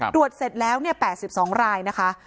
ตรวจเสร็จแล้ว๘๒รายนะคะ